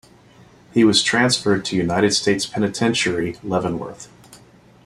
He was transferred to United States Penitentiary, Leavenworth.